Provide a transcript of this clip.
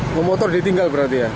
kalau motor ditinggal berarti ya